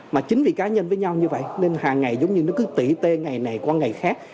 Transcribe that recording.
mà chính vì cá nhân với nhau như vậy nên hàng ngày giống như nó cứ tỷ tê ngày này qua ngày khác